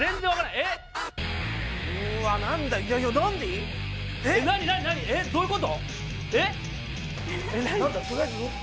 えっどういうこと？